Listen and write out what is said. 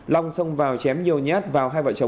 long xông vào chém nhiều nhát vào hai vợ chồng